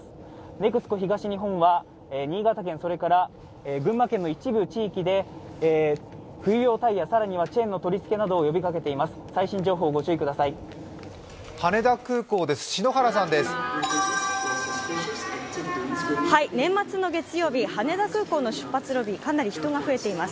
ＮＥＸＣＯ東日本は新潟県、それから群馬県の一部地域で冬用タイヤ、更にはチェーンの取り付けなどを呼びかけています。